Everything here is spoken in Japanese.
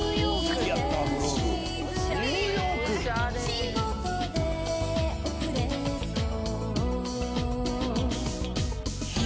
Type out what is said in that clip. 仕事で遅れそう